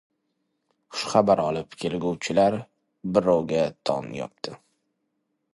Xushxabar olib kelguvchilar biroviga to‘n yopdi.